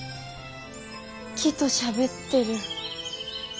木としゃべってる。